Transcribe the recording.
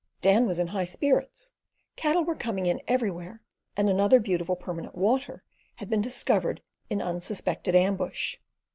Dan was in high spirits: cattle were coming in everywhere, and another beautiful permanent "water" had been discovered in unsuspected ambush.